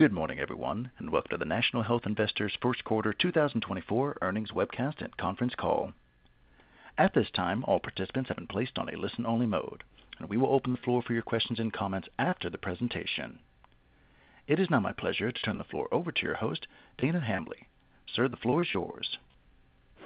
Good morning, everyone, and welcome to the National Health Investors First Quarter 2024 Earnings Webcast and Conference Call. At this time, all participants have been placed on a listen-only mode, and we will open the floor for your questions and comments after the presentation. It is now my pleasure to turn the floor over to your host, Dana Hambly. Sir, the floor is yours.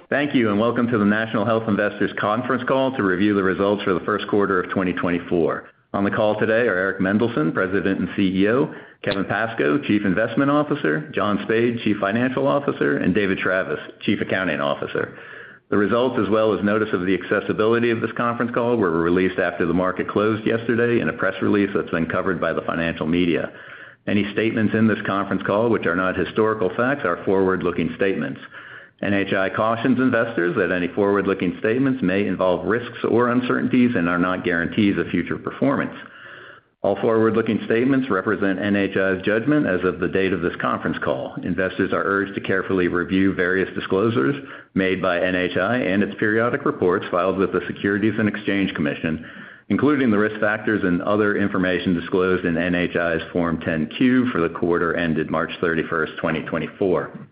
Thank you, and welcome to the National Health Investors Conference Call to review the results for the first quarter of 2024. On the call today are Eric Mendelsohn, President and CEO; Kevin Pascoe, Chief Investment Officer; John Spaid, Chief Financial Officer; and David Travis, Chief Accounting Officer. The results, as well as notice of the accessibility of this conference call, were released after the market closed yesterday in a press release that's been covered by the financial media. Any statements in this conference call which are not historical facts are forward-looking statements. NHI cautions investors that any forward-looking statements may involve risks or uncertainties and are not guarantees of future performance. All forward-looking statements represent NHI's judgment as of the date of this conference call. Investors are urged to carefully review various disclosures made by NHI and its periodic reports filed with the Securities and Exchange Commission, including the risk factors and other information disclosed in NHI's Form 10-Q for the quarter ended March 31st, 2024.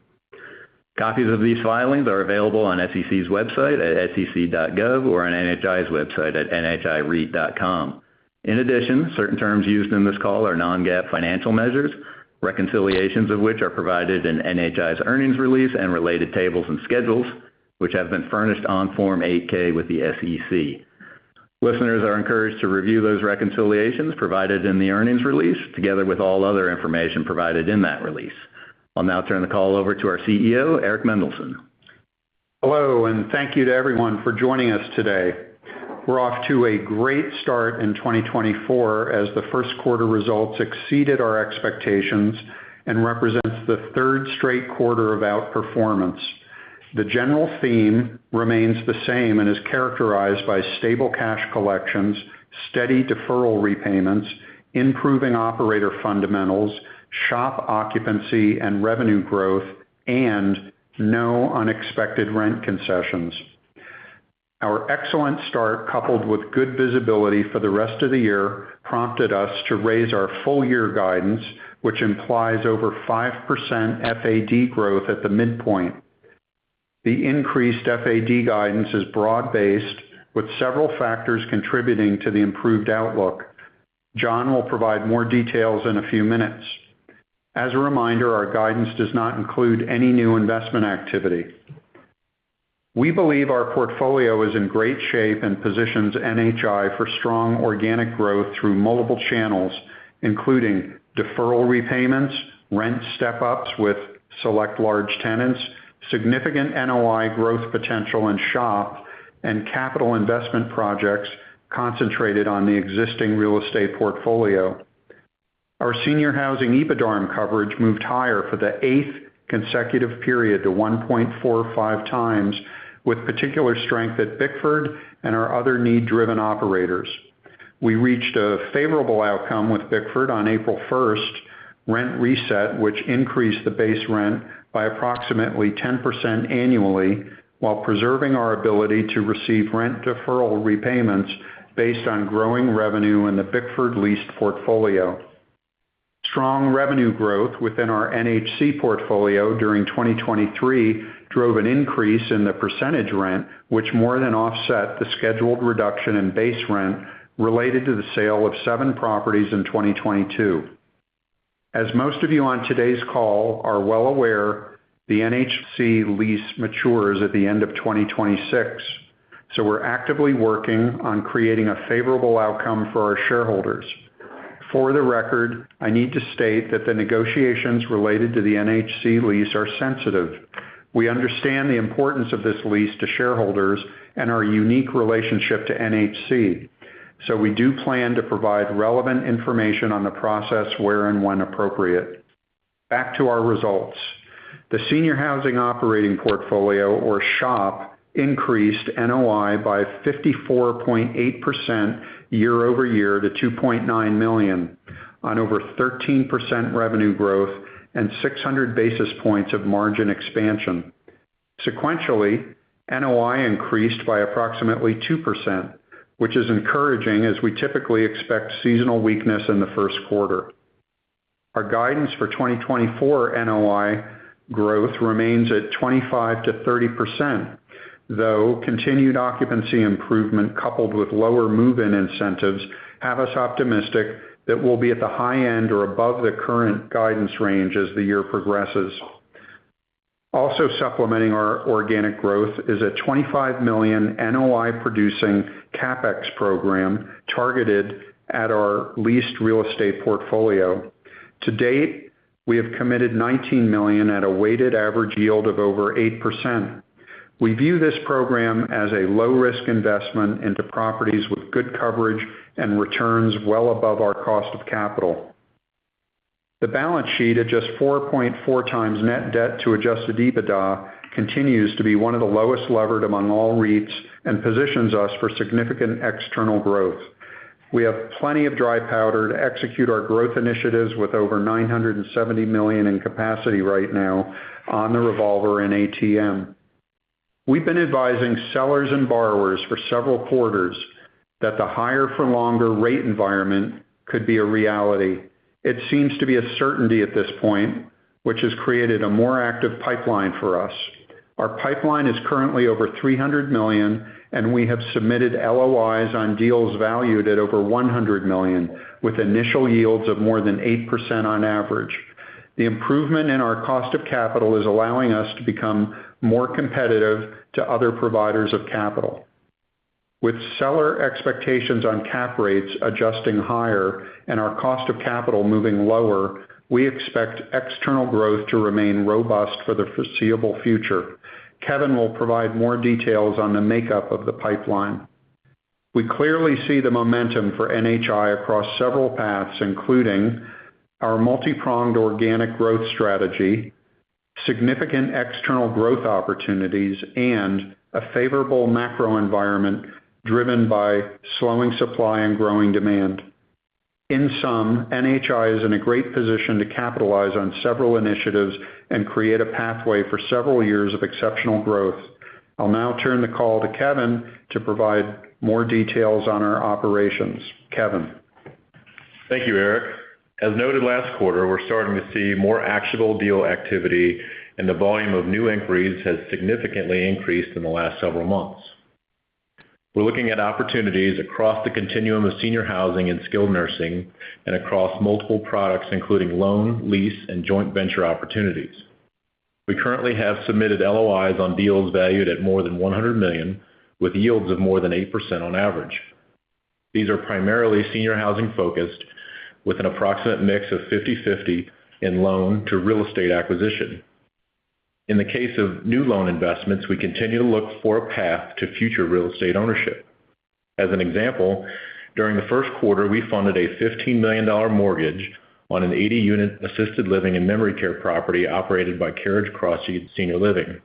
Copies of these filings are available on SEC's website at sec.gov or on NHI's website at nhireit.com. In addition, certain terms used in this call are non-GAAP financial measures, reconciliations of which are provided in NHI's earnings release and related tables and schedules, which have been furnished on Form 8-K with the SEC. Listeners are encouraged to review those reconciliations provided in the earnings release together with all other information provided in that release. I'll now turn the call over to our CEO, Eric Mendelsohn. Hello, and thank you to everyone for joining us today. We're off to a great start in 2024 as the first quarter results exceeded our expectations and represents the third straight quarter of outperformance. The general theme remains the same and is characterized by stable cash collections, steady deferral repayments, improving operator fundamentals, SHOP occupancy and revenue growth, and no unexpected rent concessions. Our excellent start, coupled with good visibility for the rest of the year, prompted us to raise our full-year guidance, which implies over 5% FAD growth at the midpoint. The increased FAD guidance is broad-based, with several factors contributing to the improved outlook. John will provide more details in a few minutes. As a reminder, our guidance does not include any new investment activity. We believe our portfolio is in great shape and positions NHI for strong organic growth through multiple channels, including deferral repayments, rent step-ups with select large tenants, significant NOI growth potential in SHOP, and capital investment projects concentrated on the existing real estate portfolio. Our senior housing EBITDARM coverage moved higher for the eighth consecutive period to 1.45 times, with particular strength at Bickford and our other need-driven operators. We reached a favorable outcome with Bickford on April 1st, rent reset, which increased the base rent by approximately 10% annually while preserving our ability to receive rent deferral repayments based on growing revenue in the Bickford leased portfolio. Strong revenue growth within our NHC portfolio during 2023 drove an increase in the percentage rent, which more than offset the scheduled reduction in base rent related to the sale of seven properties in 2022. As most of you on today's call are well aware, the NHC lease matures at the end of 2026, so we're actively working on creating a favorable outcome for our shareholders. For the record, I need to state that the negotiations related to the NHC lease are sensitive. We understand the importance of this lease to shareholders and our unique relationship to NHC, so we do plan to provide relevant information on the process where and when appropriate. Back to our results. The senior housing operating portfolio, or SHOP, increased NOI by 54.8% year-over-year to $2.9 million on over 13% revenue growth and 600 basis points of margin expansion. Sequentially, NOI increased by approximately 2%, which is encouraging as we typically expect seasonal weakness in the first quarter. Our guidance for 2024 NOI growth remains at 25%-30%, though continued occupancy improvement coupled with lower move-in incentives have us optimistic that we'll be at the high end or above the current guidance range as the year progresses. Also supplementing our organic growth is a $25 million NOI-producing CapEx program targeted at our leased real estate portfolio. To date, we have committed $19 million at a weighted average yield of over 8%. We view this program as a low-risk investment into properties with good coverage and returns well above our cost of capital. The balance sheet at just 4.4x net debt to adjusted EBITDA continues to be one of the lowest levered among all REITs and positions us for significant external growth. We have plenty of dry powder to execute our growth initiatives with over $970 million in capacity right now on the revolver and ATM. We've been advising sellers and borrowers for several quarters that the higher-for-longer rate environment could be a reality. It seems to be a certainty at this point, which has created a more active pipeline for us. Our pipeline is currently over $300 million, and we have submitted LOIs on deals valued at over $100 million with initial yields of more than 8% on average. The improvement in our cost of capital is allowing us to become more competitive to other providers of capital. With seller expectations on cap rates adjusting higher and our cost of capital moving lower, we expect external growth to remain robust for the foreseeable future. Kevin will provide more details on the makeup of the pipeline. We clearly see the momentum for NHI across several paths, including our multi-pronged organic growth strategy, significant external growth opportunities, and a favorable macro environment driven by slowing supply and growing demand. In sum, NHI is in a great position to capitalize on several initiatives and create a pathway for several years of exceptional growth. I'll now turn the call to Kevin to provide more details on our operations. Kevin. Thank you, Eric. As noted last quarter, we're starting to see more actionable deal activity, and the volume of new inquiries has significantly increased in the last several months. We're looking at opportunities across the continuum of senior housing and skilled nursing and across multiple products, including loan, lease, and joint venture opportunities. We currently have submitted LOIs on deals valued at more than $100 million with yields of more than 8% on average. These are primarily senior housing-focused, with an approximate mix of 50/50 in loan to real estate acquisition. In the case of new loan investments, we continue to look for a path to future real estate ownership. As an example, during the first quarter, we funded a $15 million mortgage on an 80-unit assisted living and memory care property operated by Carriage Crossing Senior Living,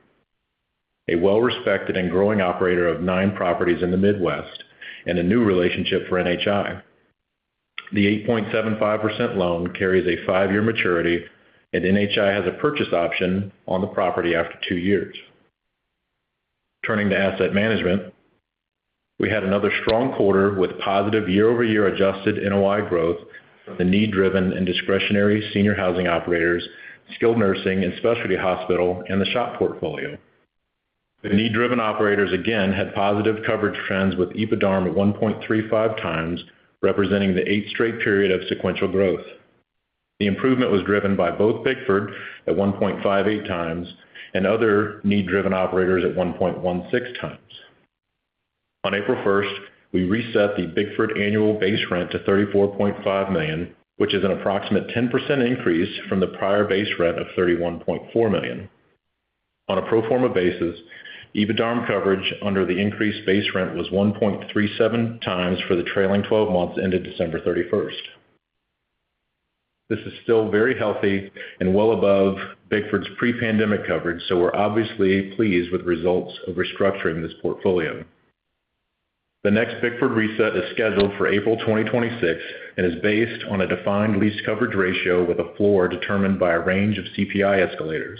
a well-respected and growing operator of nine properties in the Midwest, and a new relationship for NHI. The 8.75% loan carries a five-year maturity, and NHI has a purchase option on the property after two years. Turning to asset management, we had another strong quarter with positive year-over-year adjusted NOI growth from the need-driven and discretionary senior housing operators, skilled nursing, and specialty hospital, and the SHOP portfolio. The need-driven operators, again, had positive coverage trends with EBITDARM at 1.35x, representing the eighth straight period of sequential growth. The improvement was driven by both Bickford at 1.58x and other need-driven operators at 1.16x. On April 1st, we reset the Bickford annual base rent to $34.5 million, which is an approximate 10% increase from the prior base rent of $31.4 million. On a pro forma basis, EBITDARM coverage under the increased base rent was 1.37x for the trailing 12 months ended December 31st. This is still very healthy and well above Bickford's pre-pandemic coverage, so we're obviously pleased with results of restructuring this portfolio. The next Bickford reset is scheduled for April 2026 and is based on a defined lease coverage ratio with a floor determined by a range of CPI escalators.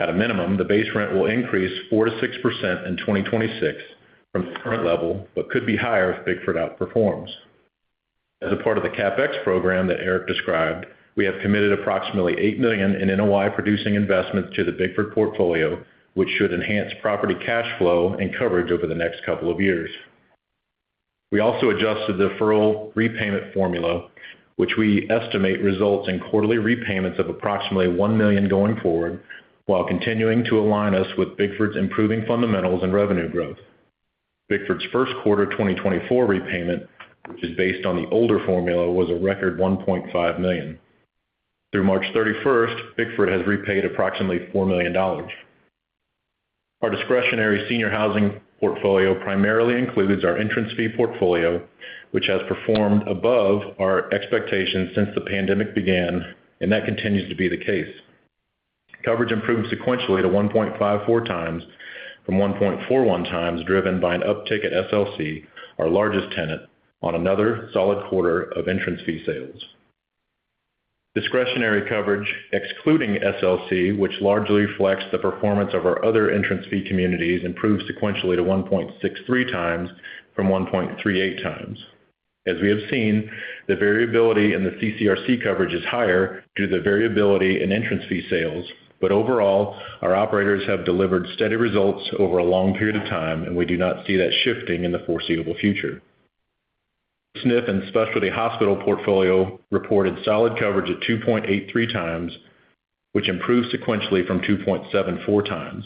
At a minimum, the base rent will increase 4%-6% in 2026 from the current level but could be higher if Bickford outperforms. As a part of the CapEx program that Eric described, we have committed approximately $8 million in NOI-producing investments to the Bickford portfolio, which should enhance property cash flow and coverage over the next couple of years. We also adjusted the deferral repayment formula, which we estimate results in quarterly repayments of approximately $1 million going forward while continuing to align us with Bickford's improving fundamentals and revenue growth. Bickford's first quarter 2024 repayment, which is based on the older formula, was a record $1.5 million. Through March 31st, Bickford has repaid approximately $4 million. Our discretionary senior housing portfolio primarily includes our entrance fee portfolio, which has performed above our expectations since the pandemic began, and that continues to be the case. Coverage improved sequentially to 1.54x from 1.41x, driven by an uptick at SLC, our largest tenant, on another solid quarter of entrance fee sales. Discretionary coverage excluding SLC, which largely reflects the performance of our other entrance fee communities, improved sequentially to 1.63x from 1.38x. As we have seen, the variability in the CCRC coverage is higher due to the variability in entrance fee sales, but overall, our operators have delivered steady results over a long period of time, and we do not see that shifting in the foreseeable future. SNF and specialty hospital portfolio reported solid coverage at 2.83x, which improved sequentially from 2.74x.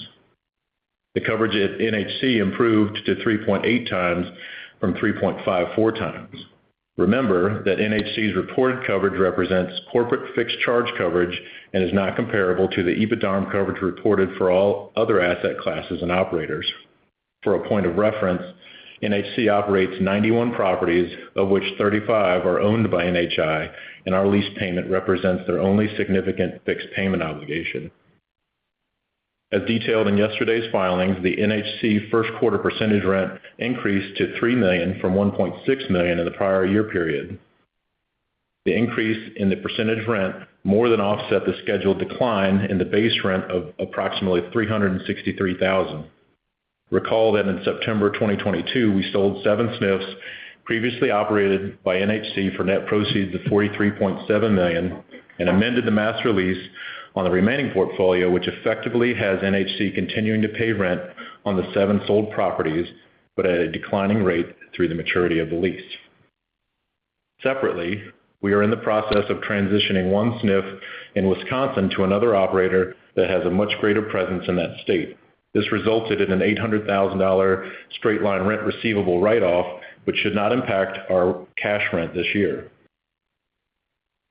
The coverage at NHC improved to 3.8x from 3.54x. Remember that NHC's reported coverage represents corporate fixed charge coverage and is not comparable to the EBITDARM coverage reported for all other asset classes and operators. For a point of reference, NHC operates 91 properties, of which 35 are owned by NHI, and our lease payment represents their only significant fixed payment obligation. As detailed in yesterday's filings, the NHC first quarter percentage rent increased to $3 million from $1.6 million in the prior year period. The increase in the percentage rent more than offset the scheduled decline in the base rent of approximately $363,000. Recall that in September 2022, we sold seven SNFs previously operated by NHC for net proceeds of $43.7 million and amended the master lease on the remaining portfolio, which effectively has NHC continuing to pay rent on the seven sold properties but at a declining rate through the maturity of the lease. Separately, we are in the process of transitioning one SNF in Wisconsin to another operator that has a much greater presence in that state. This resulted in an $800,000 straight-line rent receivable write-off, which should not impact our cash rent this year.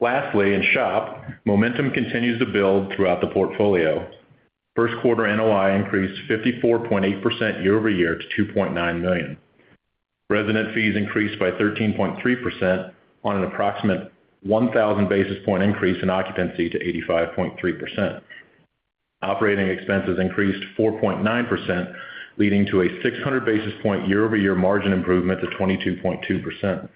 Lastly, in SHOP, momentum continues to build throughout the portfolio. First quarter NOI increased 54.8% year-over-year to $2.9 million. Resident fees increased by 13.3% on an approximate 1,000 basis point increase in occupancy to 85.3%. Operating expenses increased 4.9%, leading to a 600 basis point year-over-year margin improvement to 22.2%.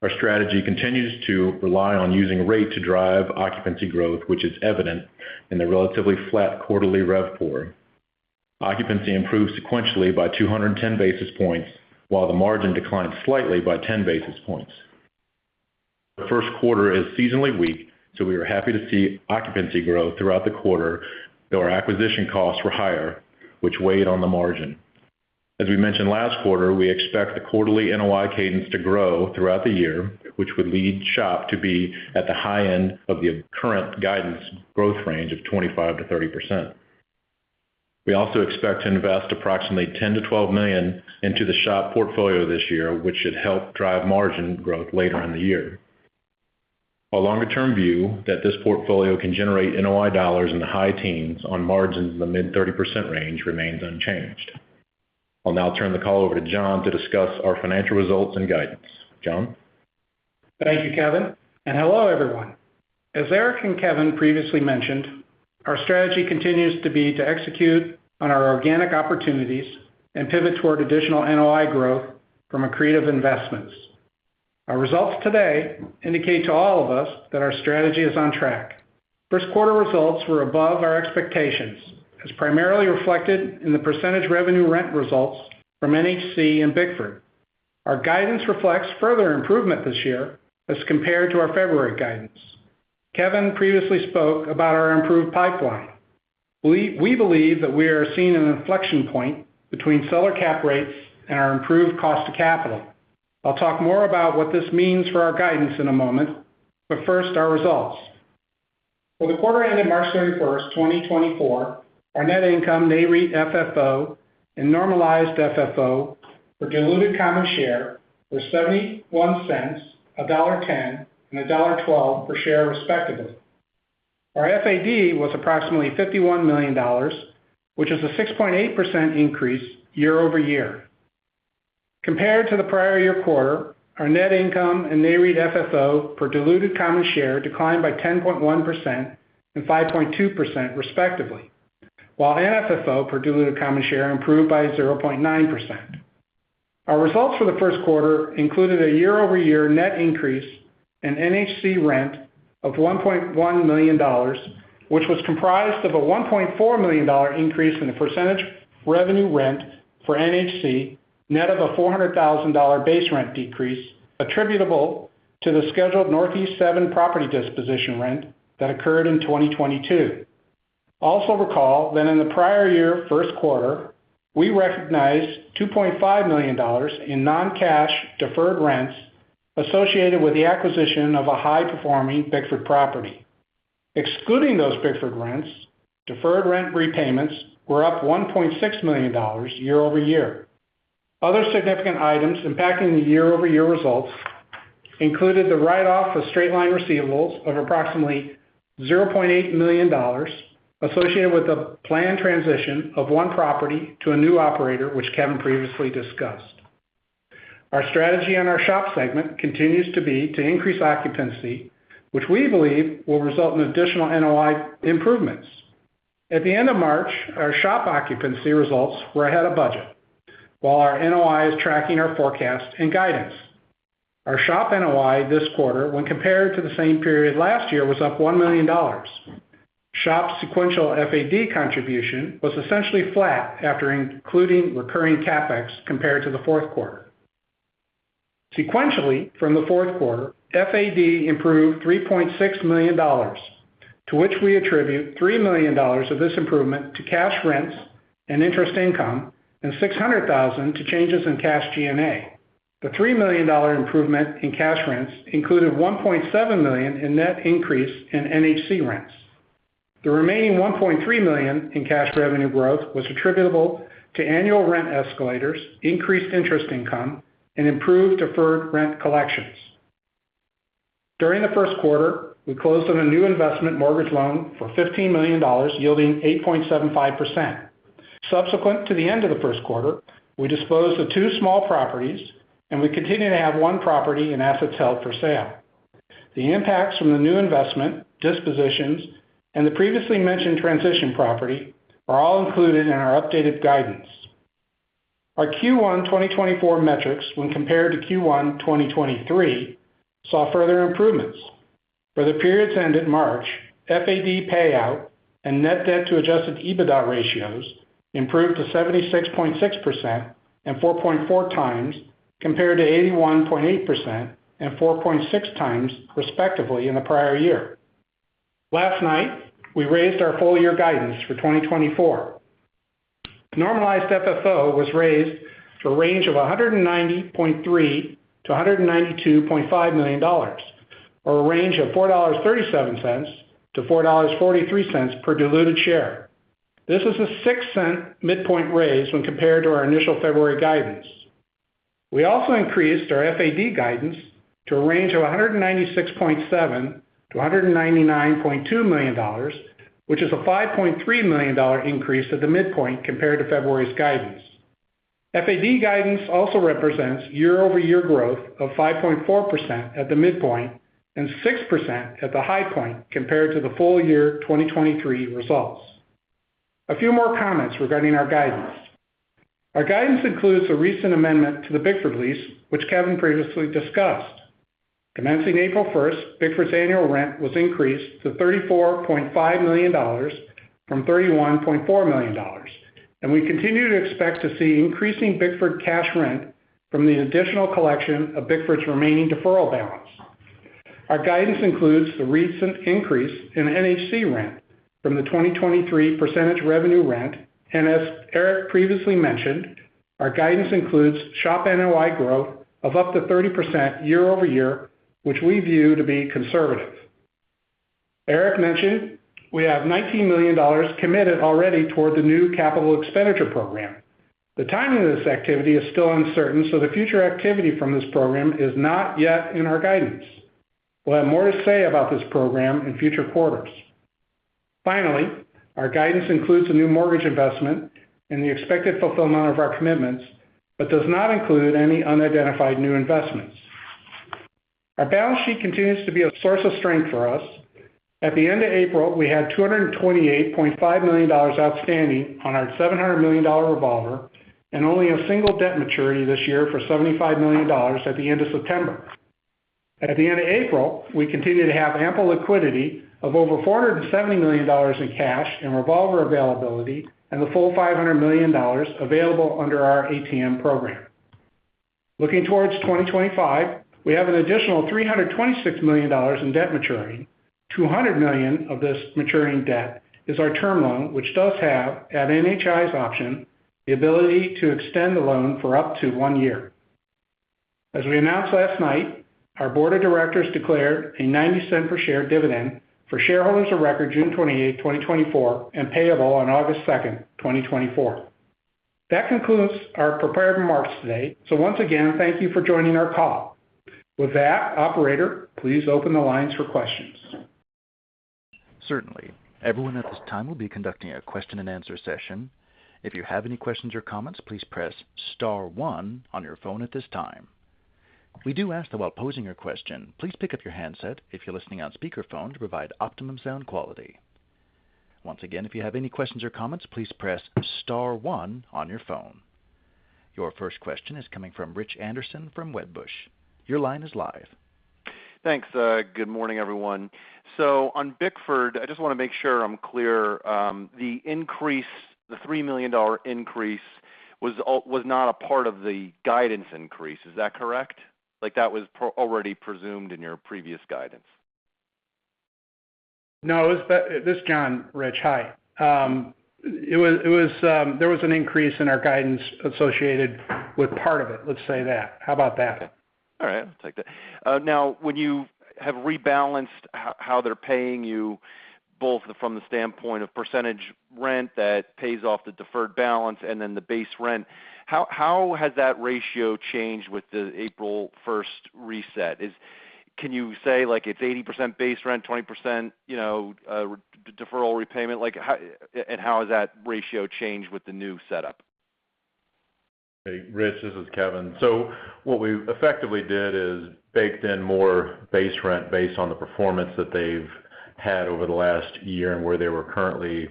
Our strategy continues to rely on using rate to drive occupancy growth, which is evident in the relatively flat quarterly RevPOR. Occupancy improved sequentially by 210 basis points, while the margin declined slightly by 10 basis points. The first quarter is seasonally weak, so we were happy to see occupancy grow throughout the quarter, though our acquisition costs were higher, which weighed on the margin. As we mentioned last quarter, we expect the quarterly NOI cadence to grow throughout the year, which would lead SHOP to be at the high end of the current guidance growth range of 25%-30%. We also expect to invest approximately $10-12 million into the SHOP portfolio this year, which should help drive margin growth later in the year. A longer-term view that this portfolio can generate NOI dollars in the high teens on margins in the mid-30% range remains unchanged. I'll now turn the call over to John to discuss our financial results and guidance. John. Thank you, Kevin. And hello, everyone. As Eric and Kevin previously mentioned, our strategy continues to be to execute on our organic opportunities and pivot toward additional NOI growth from a creative investment. Our results today indicate to all of us that our strategy is on track. First quarter results were above our expectations, as primarily reflected in the percentage revenue rent results from NHC and Bickford. Our guidance reflects further improvement this year as compared to our February guidance. Kevin previously spoke about our improved pipeline. We believe that we are seeing an inflection point between seller cap rates and our improved cost of capital. I'll talk more about what this means for our guidance in a moment, but first, our results. For the quarter ended March 31st, 2024, our net income, Nareit FFO, and normalized FFO for diluted common share were $0.71, $1.10, and $1.12 per share, respectively. Our FAD was approximately $51 million, which is a 6.8% increase year-over-year. Compared to the prior year quarter, our net income and Nareit FFO for diluted common share declined by 10.1% and 5.2%, respectively, while Normalized FFO for diluted common share improved by 0.9%. Our results for the first quarter included a year-over-year net increase in NHC rent of $1.1 million, which was comprised of a $1.4 million increase in the percentage revenue rent for NHC, net of a $400,000 base rent decrease attributable to the scheduled Northeast 7 property disposition rent that occurred in 2022. Also, recall that in the prior year first quarter, we recognized $2.5 million in non-cash deferred rents associated with the acquisition of a high-performing Bickford property. Excluding those Bickford rents, deferred rent repayments were up $1.6 million year-over-year. Other significant items impacting the year-over-year results included the write-off of straight-line receivables of approximately $0.8 million associated with the planned transition of one property to a new operator, which Kevin previously discussed. Our strategy on our SHOP segment continues to be to increase occupancy, which we believe will result in additional NOI improvements. At the end of March, our SHOP occupancy results were ahead of budget, while our NOI is tracking our forecast and guidance. Our SHOP NOI this quarter, when compared to the same period last year, was up $1 million. SHOP sequential FAD contribution was essentially flat after including recurring CapEx compared to the fourth quarter. Sequentially, from the fourth quarter, FAD improved $3.6 million, to which we attribute $3 million of this improvement to cash rents and interest income and $600,000 to changes in cash G&A. The $3 million improvement in cash rents included $1.7 million in net increase in NHC rents. The remaining $1.3 million in cash revenue growth was attributable to annual rent escalators, increased interest income, and improved deferred rent collections. During the first quarter, we closed on a new investment mortgage loan for $15 million, yielding 8.75%. Subsequent to the end of the first quarter, we disposed of two small properties, and we continue to have one property in assets held for sale. The impacts from the new investment, dispositions, and the previously mentioned transition property are all included in our updated guidance. Our Q1 2024 metrics, when compared to Q1 2023, saw further improvements. For the periods ended March, FAD payout and net debt to adjusted EBITDA ratios improved to 76.6% and 4.4x compared to 81.8% and 4.6x, respectively, in the prior year. Last night, we raised our full-year guidance for 2024. Normalized FFO was raised to a range of $190.3 million-$192.5 million, or a range of $4.37-$4.43 per diluted share. This is a 6-cent midpoint raise when compared to our initial February guidance. We also increased our FAD guidance to a range of $196.7 million-$199.2 million, which is a $5.3 million increase at the midpoint compared to February's guidance. FAD guidance also represents year-over-year growth of 5.4% at the midpoint and 6% at the high point compared to the full-year 2023 results. A few more comments regarding our guidance. Our guidance includes a recent amendment to the Bickford lease, which Kevin previously discussed. Commencing April 1st, Bickford's annual rent was increased to $34.5 million from $31.4 million, and we continue to expect to see increasing Bickford cash rent from the additional collection of Bickford's remaining deferral balance. Our guidance includes the recent increase in NHC rent from the 2023 percentage revenue rent, and as Eric previously mentioned, our guidance includes SHOP NOI growth of up to 30% year-over-year, which we view to be conservative. Eric mentioned we have $19 million committed already toward the new capital expenditure program. The timing of this activity is still uncertain, so the future activity from this program is not yet in our guidance. We'll have more to say about this program in future quarters. Finally, our guidance includes a new mortgage investment and the expected fulfillment of our commitments but does not include any unidentified new investments. Our balance sheet continues to be a source of strength for us. At the end of April, we had $228.5 million outstanding on our $700 million revolver and only a single debt maturity this year for $75 million at the end of September. At the end of April, we continue to have ample liquidity of over $470 million in cash and revolver availability and the full $500 million available under our ATM program. Looking towards 2025, we have an additional $326 million in debt maturing. $200 million of this maturing debt is our term loan, which does have, at NHI's option, the ability to extend the loan for up to one year. As we announced last night, our board of directors declared a $0.90 per share dividend for shareholders of record June 28, 2024, and payable on August 2, 2024. That concludes our prepared remarks today, so once again, thank you for joining our call. With that, operator, please open the lines for questions. Certainly. Everyone at this time will be conducting a question-and-answer session. If you have any questions or comments, please press star one on your phone at this time. We do ask that while posing your question, please pick up your handset if you're listening on speakerphone to provide optimum sound quality. Once again, if you have any questions or comments, please press star one on your phone. Your first question is coming from Rich Anderson from Wedbush. Your line is live. Thanks. Good morning, everyone. So on Bickford, I just want to make sure I'm clear. The increase, the $3 million increase, was not a part of the guidance increase. Is that correct? That was already presumed in your previous guidance. No, this is John, Rich. Hi. There was an increase in our guidance associated with part of it, let's say that. How about that? Okay. All right. I'll take that. Now, when you have rebalanced how they're paying you, both from the standpoint of percentage rent that pays off the deferred balance and then the base rent, how has that ratio changed with the April 1st reset? Can you say it's 80% base rent, 20% deferral repayment, and how has that ratio changed with the new setup? Hey, Rich. This is Kevin. So what we effectively did is baked in more base rent based on the performance that they've had over the last year and where they were currently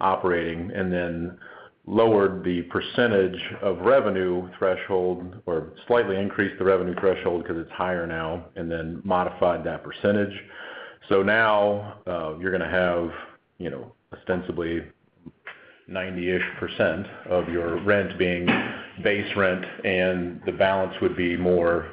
operating, and then lowered the percentage of revenue threshold or slightly increased the revenue threshold because it's higher now, and then modified that percentage. So now you're going to have, ostensibly, 90%-ish of your rent being base rent, and the balance would be more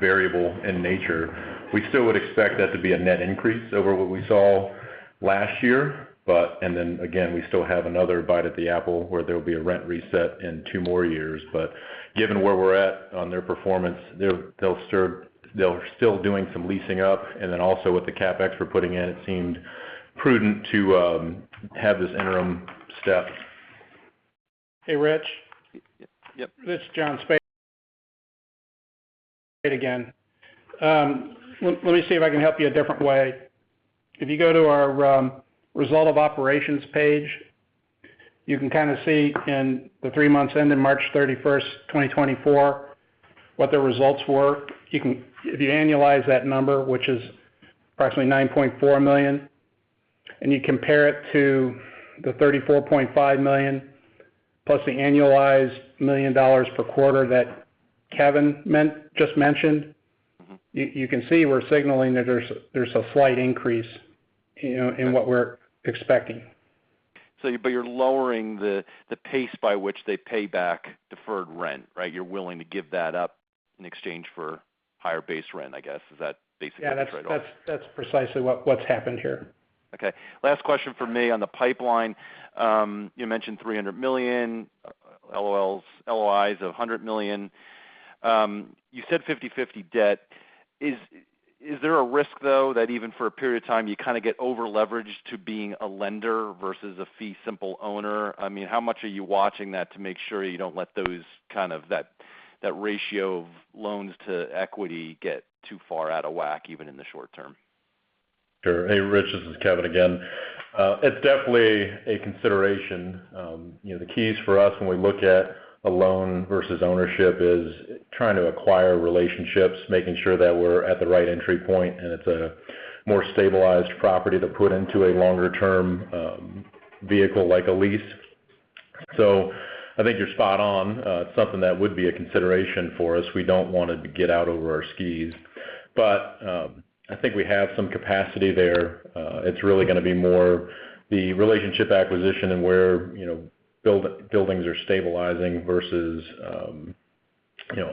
variable in nature. We still would expect that to be a net increase over what we saw last year, and then again, we still have another bite at the apple where there'll be a rent reset in two more years. But given where we're at on their performance, they're still doing some leasing up, and then also with the CapEx we're putting in, it seemed prudent to have this interim step. Hey, Rich. This is John Spaid. Spaid again. Let me see if I can help you a different way. If you go to our result of operations page, you can kind of see in the three months ended March 31st, 2024, what their results were. If you annualize that number, which is approximately $9.4 million, and you compare it to the $34.5 million plus the annualized $1 million per quarter that Kevin just mentioned, you can see we're signaling that there's a slight increase in what we're expecting. But you're lowering the pace by which they pay back deferred rent, right? You're willing to give that up in exchange for higher base rent, I guess. Is that basically the trade-off? Yeah. That's precisely what's happened here. Okay. Last question for me on the pipeline. You mentioned $300 million, LOIs of $100 million. You said 50/50 debt. Is there a risk, though, that even for a period of time, you kind of get over-leveraged to being a lender versus a fee simple owner? I mean, how much are you watching that to make sure you don't let those kind of that ratio of loans to equity get too far out of whack, even in the short term? Sure. Hey, Rich. This is Kevin again. It's definitely a consideration. The keys for us when we look at a loan versus ownership is trying to acquire relationships, making sure that we're at the right entry point, and it's a more stabilized property to put into a longer-term vehicle like a lease. So I think you're spot on. It's something that would be a consideration for us. We don't want it to get out over our skis. But I think we have some capacity there. It's really going to be more the relationship acquisition and where buildings are stabilizing versus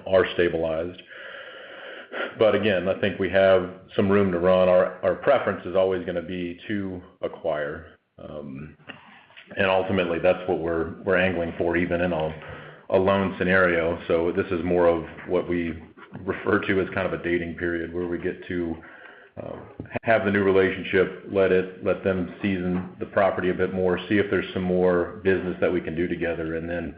are stabilized. But again, I think we have some room to run. Our preference is always going to be to acquire. And ultimately, that's what we're angling for, even in a loan scenario. So this is more of what we refer to as kind of a dating period where we get to have the new relationship, let them season the property a bit more, see if there's some more business that we can do together, and then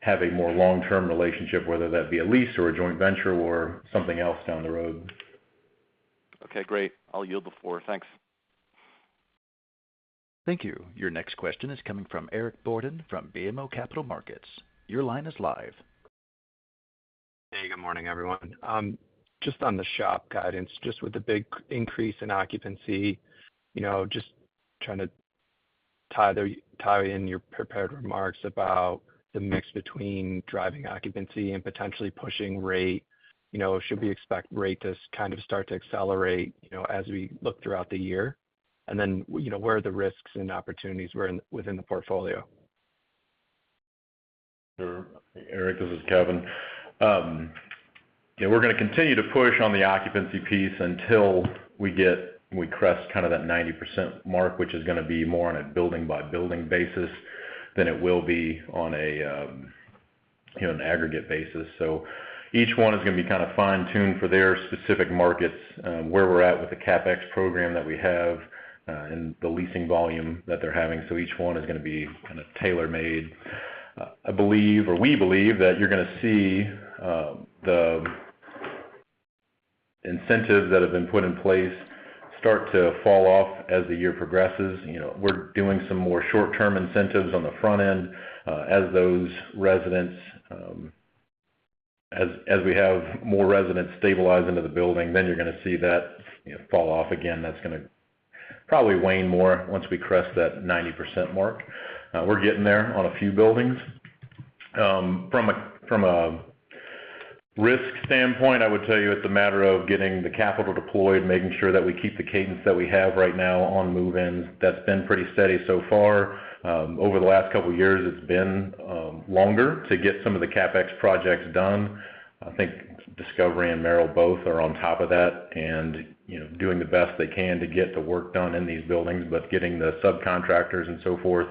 have a more long-term relationship, whether that be a lease or a joint venture or something else down the road. Okay. Great. I'll yield the floor. Thanks. Thank you. Your next question is coming from Eric Borden from BMO Capital Markets. Your line is live. Hey, good morning, everyone. Just on the SHOP guidance, just with the big increase in occupancy, just trying to tie in your prepared remarks about the mix between driving occupancy and potentially pushing rate. Should we expect rate to kind of start to accelerate as we look throughout the year? And then where are the risks and opportunities within the portfolio? Sure. Hey, Eric. This is Kevin. We're going to continue to push on the occupancy piece until we crest kind of that 90% mark, which is going to be more on a building-by-building basis than it will be on an aggregate basis. So each one is going to be kind of fine-tuned for their specific markets, where we're at with the CapEx program that we have and the leasing volume that they're having. So each one is going to be kind of tailor-made. I believe, or we believe, that you're going to see the incentives that have been put in place start to fall off as the year progresses. We're doing some more short-term incentives on the front end. As we have more residents stabilize into the building, then you're going to see that fall off again. That's going to probably wane more once we crest that 90% mark. We're getting there on a few buildings. From a risk standpoint, I would tell you it's a matter of getting the capital deployed, making sure that we keep the cadence that we have right now on move-ins. That's been pretty steady so far. Over the last couple of years, it's been longer to get some of the CapEx projects done. I think Discovery and Merrill both are on top of that and doing the best they can to get the work done in these buildings. But getting the subcontractors and so forth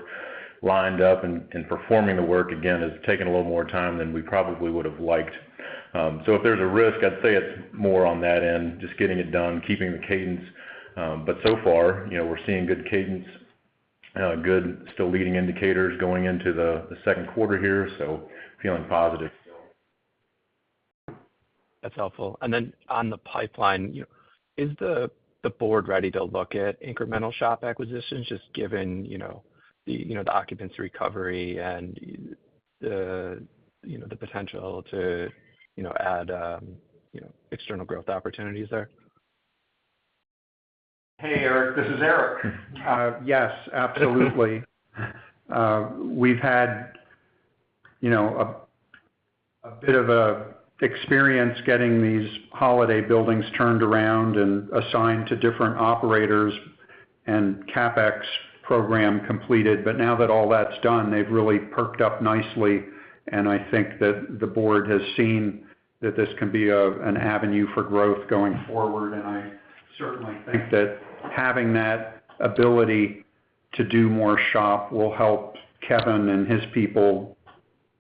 lined up and performing the work, again, is taking a little more time than we probably would have liked. So if there's a risk, I'd say it's more on that end, just getting it done, keeping the cadence. So far, we're seeing good cadence, good still leading indicators going into the second quarter here, so feeling positive still. That's helpful. And then on the pipeline, is the board ready to look at incremental SHOP acquisitions, just given the occupancy recovery and the potential to add external growth opportunities there? Hey, Eric. This is Eric. Yes, absolutely. We've had a bit of an experience getting these Holiday buildings turned around and assigned to different operators and CapEx program completed. But now that all that's done, they've really perked up nicely, and I think that the board has seen that this can be an avenue for growth going forward. And I certainly think that having that ability to do more SHOP will help Kevin and his people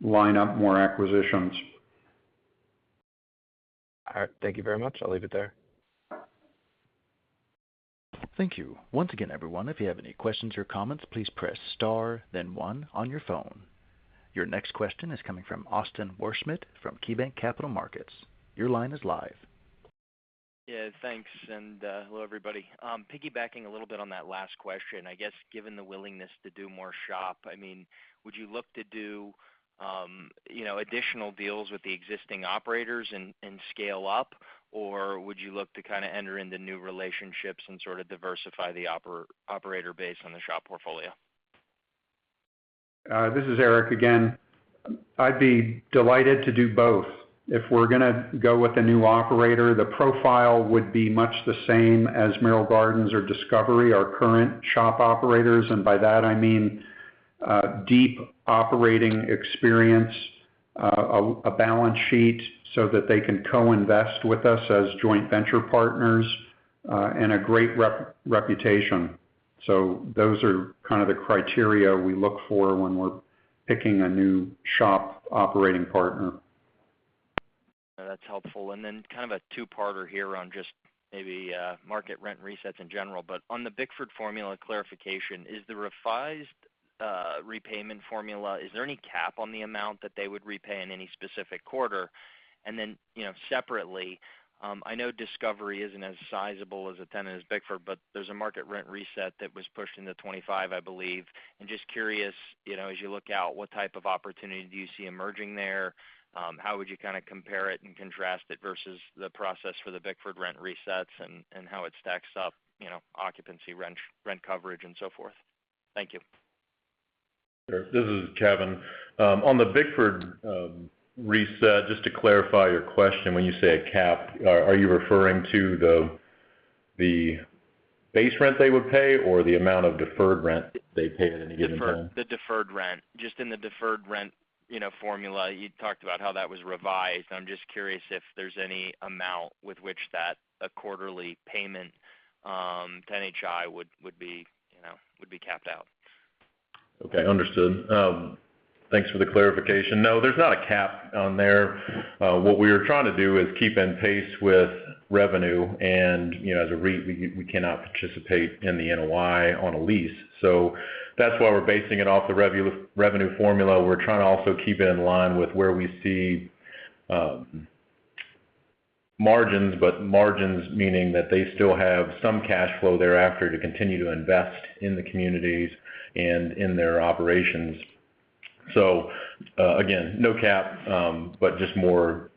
line up more acquisitions. All right. Thank you very much. I'll leave it there. Thank you. Once again, everyone, if you have any questions or comments, please press star, then one, on your phone. Your next question is coming from Austin Wurschmidt from KeyBanc Capital Markets. Your line is live. Yeah. Thanks. Hello, everybody. Piggybacking a little bit on that last question, I guess, given the willingness to do more SHOP, I mean, would you look to do additional deals with the existing operators and scale up, or would you look to kind of enter into new relationships and sort of diversify the operator base on the SHOP portfolio? This is Eric again. I'd be delighted to do both. If we're going to go with a new operator, the profile would be much the same as Merrill Gardens or Discovery, our current SHOP operators. And by that, I mean deep operating experience, a balance sheet so that they can co-invest with us as joint venture partners, and a great reputation. So those are kind of the criteria we look for when we're picking a new SHOP operating partner. That's helpful. Then kind of a two-parter here on just maybe market rent resets in general. But on the Bickford formula clarification, is the revised repayment formula, is there any cap on the amount that they would repay in any specific quarter? And then separately, I know Discovery isn't as sizable as a tenant as Bickford, but there's a market rent reset that was pushed into 2025, I believe. And just curious, as you look out, what type of opportunity do you see emerging there? How would you kind of compare it and contrast it versus the process for the Bickford rent resets and how it stacks up occupancy, rent coverage, and so forth? Thank you. Sure. This is Kevin. On the Bickford reset, just to clarify your question, when you say a cap, are you referring to the base rent they would pay or the amount of deferred rent they pay at any given time? The deferred rent. Just in the deferred rent formula, you talked about how that was revised. I'm just curious if there's any amount with which that quarterly payment to NHI would be capped out. Okay. Understood. Thanks for the clarification. No, there's not a cap on there. What we are trying to do is keep in pace with revenue. And as a REIT, we cannot participate in the NOI on a lease. So that's why we're basing it off the revenue formula. We're trying to also keep it in line with where we see margins, but margins meaning that they still have some cash flow thereafter to continue to invest in the communities and in their operations. So again, no cap, but just more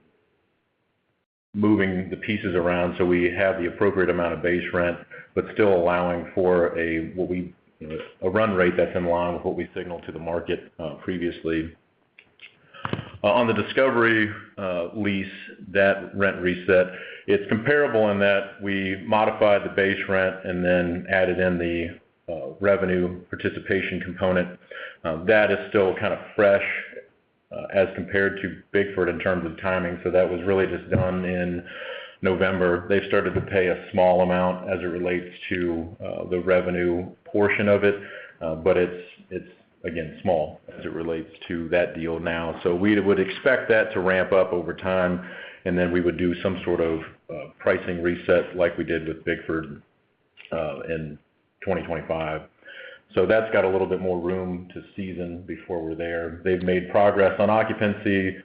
moving the pieces around so we have the appropriate amount of base rent but still allowing for a run rate that's in line with what we signaled to the market previously. On the Discovery lease, that rent reset, it's comparable in that we modified the base rent and then added in the revenue participation component. That is still kind of fresh as compared to Bickford in terms of timing. So that was really just done in November. They've started to pay a small amount as it relates to the revenue portion of it, but it's, again, small as it relates to that deal now. So we would expect that to ramp up over time, and then we would do some sort of pricing reset like we did with Bickford in 2025. So that's got a little bit more room to season before we're there. They've made progress on occupancy.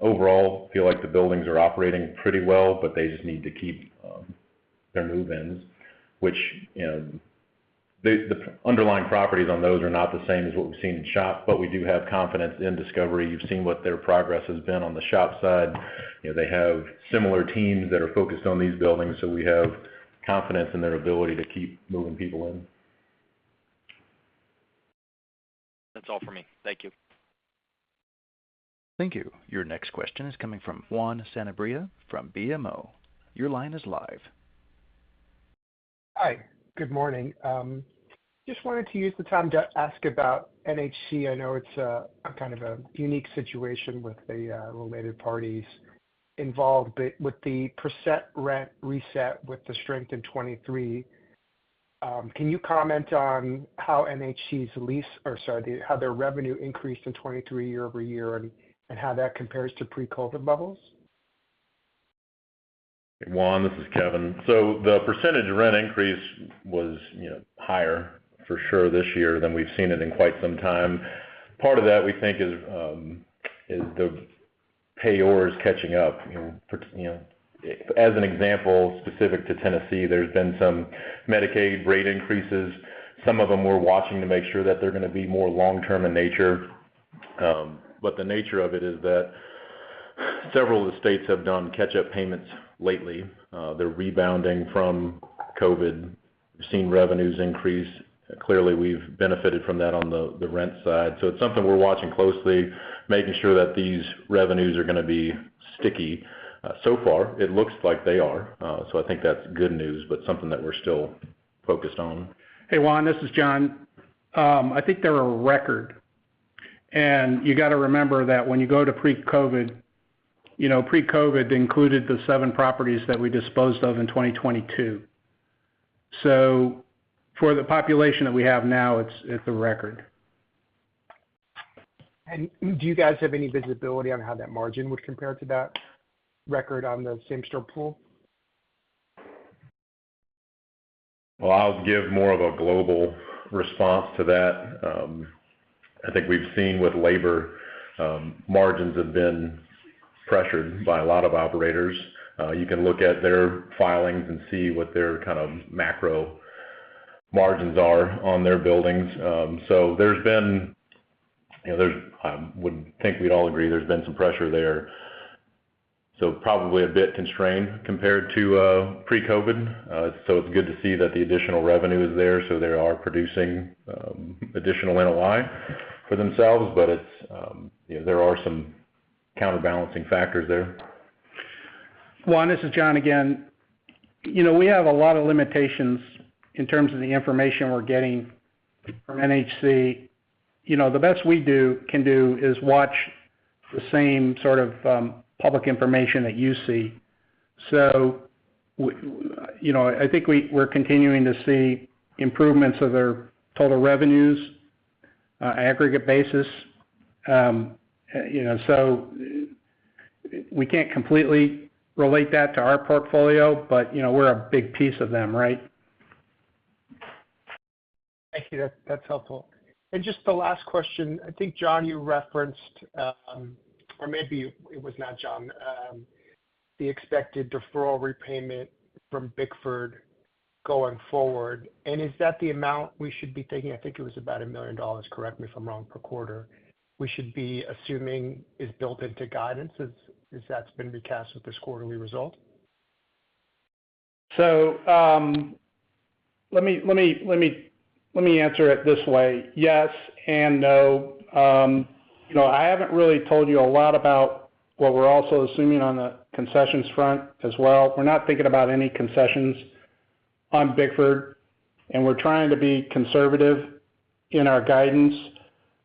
Overall, feel like the buildings are operating pretty well, but they just need to keep their move-ins, which the underlying properties on those are not the same as what we've seen in SHOP, but we do have confidence in Discovery. You've seen what their progress has been on the SHOP side. They have similar teams that are focused on these buildings, so we have confidence in their ability to keep moving people in. That's all for me. Thank you. Thank you. Your next question is coming from Juan Sanabria from BMO. Your line is live. Hi. Good morning. Just wanted to use the time to ask about NHC. I know it's kind of a unique situation with the related parties involved. But with the percent rent reset with the strength in 2023, can you comment on how NHC's lease, or sorry, how their revenue increased in 2023 year-over-year and how that compares to pre-COVID levels? Juan, this is Kevin. So the percentage rent increase was higher for sure this year than we've seen it in quite some time. Part of that, we think, is the payers' catching up. As an example, specific to Tennessee, there's been some Medicaid rate increases. Some of them we're watching to make sure that they're going to be more long-term in nature. But the nature of it is that several of the states have done catch-up payments lately. They're rebounding from COVID. We've seen revenues increase. Clearly, we've benefited from that on the rent side. So it's something we're watching closely, making sure that these revenues are going to be sticky. So far, it looks like they are. So I think that's good news, but something that we're still focused on. Hey, Juan. This is John. I think they're a record. And you got to remember that when you go to pre-COVID, pre-COVID included the 7 properties that we disposed of in 2022. So for the population that we have now, it's a record. And do you guys have any visibility on how that margin would compare to that record on the same store pool? Well, I'll give more of a global response to that. I think we've seen with labor, margins have been pressured by a lot of operators. You can look at their filings and see what their kind of macro margins are on their buildings. So there's been, I would think we'd all agree, there's been some pressure there. So, probably a bit constrained compared to pre-COVID. So it's good to see that the additional revenue is there. So they are producing additional NOI for themselves, but there are some counterbalancing factors there. Juan, this is John again. We have a lot of limitations in terms of the information we're getting from NHC. The best we can do is watch the same sort of public information that you see. So I think we're continuing to see improvements of their total revenues aggregate basis. So we can't completely relate that to our portfolio, but we're a big piece of them, right? Thank you. That's helpful. And just the last question, I think, John, you referenced or maybe it was not John, the expected deferral repayment from Bickford going forward. And is that the amount we should be thinking? I think it was about $1 million. Correct me if I'm wrong per quarter. We should be assuming is built into guidance. Is that's been recast with this quarterly result? So let me answer it this way. Yes and no. I haven't really told you a lot about what we're also assuming on the concessions front as well. We're not thinking about any concessions on Bickford, and we're trying to be conservative in our guidance.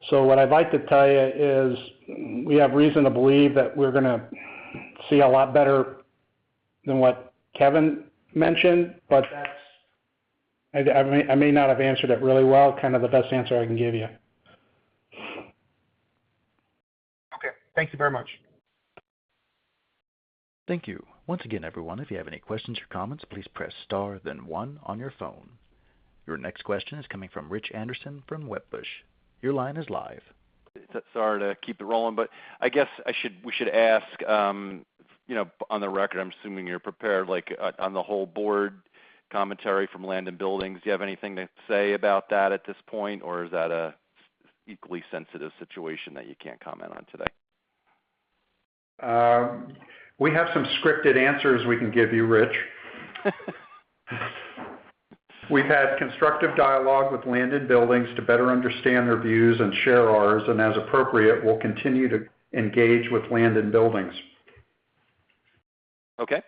So what I'd like to tell you is we have reason to believe that we're going to see a lot better than what Kevin mentioned, but I may not have answered it really well, kind of the best answer I can give you. Okay. Thank you very much. Thank you. Once again, everyone, if you have any questions or comments, please press star, then one, on your phone. Your next question is coming from Rich Anderson from Wedbush. Your line is live. Sorry to keep it rolling, but I guess we should ask on the record. I'm assuming you're prepared on the whole board commentary from Land & Buildings. Do you have anything to say about that at this point, or is that an equally sensitive situation that you can't comment on today? We have some scripted answers we can give you, Rich. We've had constructive dialogue with Land & Buildings to better understand their views and share ours. As appropriate, we'll continue to engage with Land & Buildings. Okay.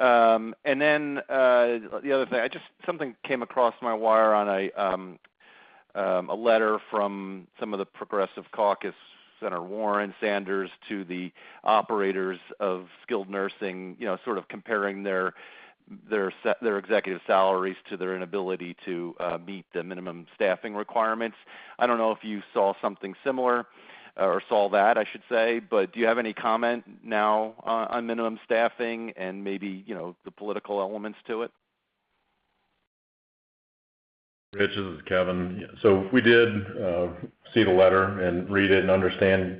And then the other thing, something came across my wire on a letter from some of the Progressive Caucus, Senators Warren and Sanders, to the operators of skilled nursing, sort of comparing their executive salaries to their inability to meet the minimum staffing requirements. I don't know if you saw something similar or saw that, I should say, but do you have any comment now on minimum staffing and maybe the political elements to it? Rich, this is Kevin. So we did see the letter, and read it and understand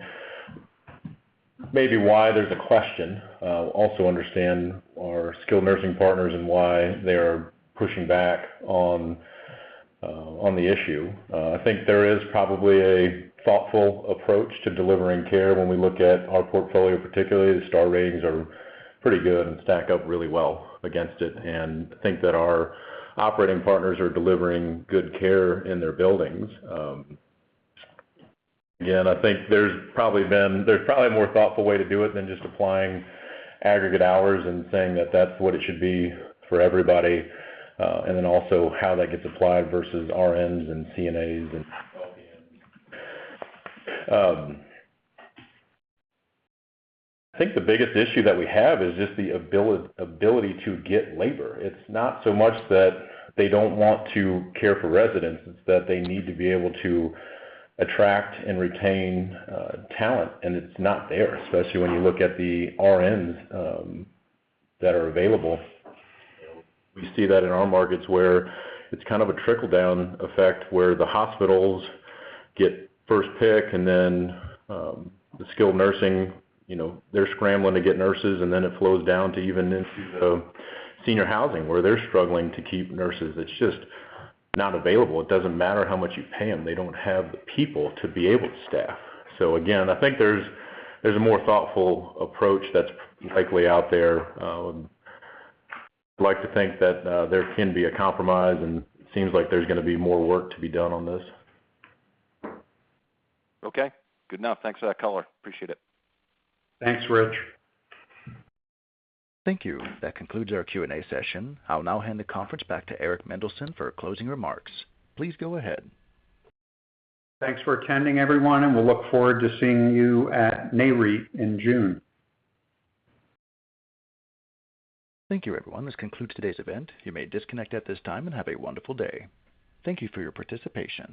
maybe why there's a question. Also, understand our skilled nursing partners and why they are pushing back on the issue. I think there is probably a thoughtful approach to delivering care. When we look at our portfolio, particularly, the star ratings are pretty good and stack up really well against it. And I think that our operating partners are delivering good care in their buildings. Again, I think there's probably a more thoughtful way to do it than just applying aggregate hours and saying that that's what it should be for everybody, and then also how that gets applied versus RNs, and, CNAs, and LPNs. I think the biggest issue that we have is just the ability to get labor. It's not so much that they don't want to care for residents. It's that they need to be able to attract and retain talent, and it's not there, especially when you look at the RNs that are available. We see that in our markets where it's kind of a trickle-down effect where the hospitals get first pick, and then the skilled nursing, they're scrambling to get nurses, and then it flows down to even into the senior housing where they're struggling to keep nurses. It's just not available. It doesn't matter how much you pay them. They don't have the people to be able to staff. So again, I think there's a more thoughtful approach that's likely out there. I'd like to think that there can be a compromise, and it seems like there's going to be more work to be done on this. Okay. Good enough. Thanks for that color. Appreciate it. Thanks, Rich. Thank you. That concludes our Q&A session. I'll now hand the conference back to Eric Mendelsohn for closing remarks. Please go ahead. Thanks for attending, everyone, and we'll look forward to seeing you at Nareit in June. Thank you, everyone. This concludes today's event. You may disconnect at this time and have a wonderful day. Thank you for your participation.